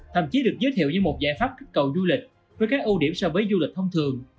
thậm chí được giới thiệu như một giải pháp kích cầu du lịch với các ưu điểm so với du lịch thông thường